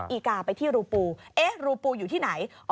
อีกาไปที่รูปูเอ๊ะรูปูอยู่ที่ไหน